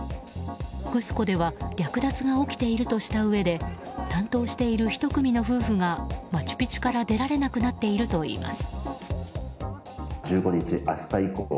クスコでは略奪が起きているとしたうえで担当している１組の夫婦がマチュピチュから出られなくなっているといいます。